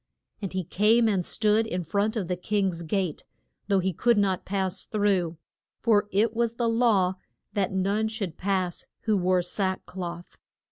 And he came and stood in front of the king's gate, though he could not pass through, for it was the law that none should pass who wore sack cloth.